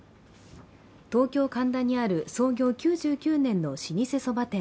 東京・神田にある創業９９年の老舗そば店。